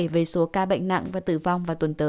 về số ca bệnh nặng và tử vong